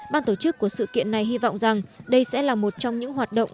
ban tổ chức của sự kiện này hy vọng rằng đây sẽ là một trong những hoạt động